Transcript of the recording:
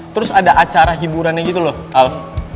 terus ada acara hiburannya gitu loh alp